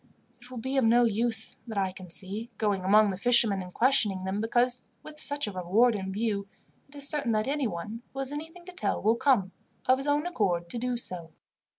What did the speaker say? It will be of no use, that I can see, going among the fishermen and questioning them, because, with such a reward in view, it is certain that anyone who has anything to tell will come, of his own accord, to do so."